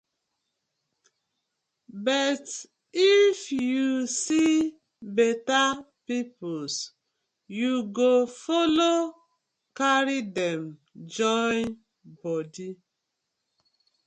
But if yu see beta pipus yu go follo karry dem join bodi.